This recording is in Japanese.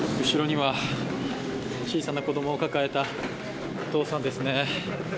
後ろには小さな子供を抱えたお父さんですね。